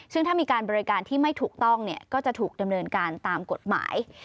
ซึ่งถ้ามีการบริการที่ไม่ถูกต้องก็จะถูกดำเนินการตามกฎหมาย